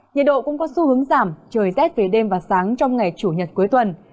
nhiệt độ cũng có xu hướng giảm trời rét về đêm và sáng trong ngày chủ nhật cuối tuần